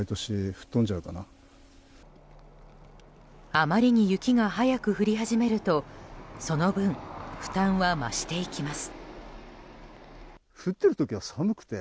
あまりに雪が早く降り始めるとその分、負担は増していきます。